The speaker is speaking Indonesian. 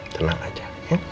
tenang aja ya